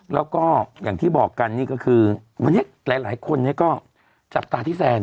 แล้วก็อย่างที่บอกกันนี่ก็คือวันนี้หลายคนก็จับตาที่แซน